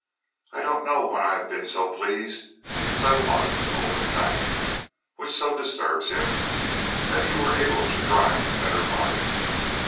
I don't know when I have been so pleased as I was over the fact, which so disturbs him, that you were able to drive the better bargain.